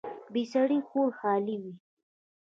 بې سړي کور خالي وي